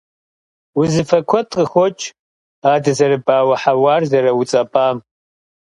Узыфэ куэд къыхокӀ а дызэрыбауэ хьэуар зэрауцӀэпӀым.